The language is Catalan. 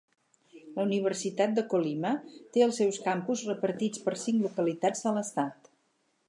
La Universitat de Colima té els seus campus repartits per cinc localitats de l'estat.